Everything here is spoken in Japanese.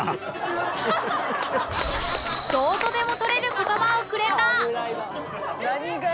どうとでも取れる言葉をくれた！